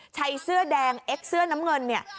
ชายเสื้อแดงเอ็กเสื้อน้ำเงินเนี่ย